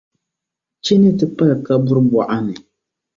Chi ni ti pali kaburi bɔɣa ni.